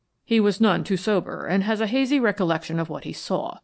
He was none too sober, and has a hazy recollection of what he saw.